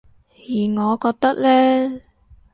而我覺得呢